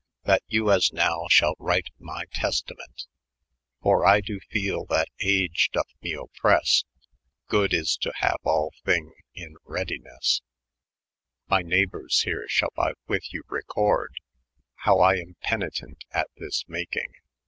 That you as now shall wryte mi testament ; For I do fele that aege dooth mee oppresse : Good is to haue all thyng in redynesse. " My neighbonrs here shtdbe witA you recorde. How I am penytent at this makyng.